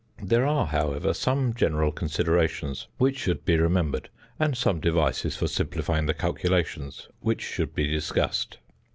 There are, however, some general considerations which should be remembered, and some devices for simplifying the calculations which should be discussed.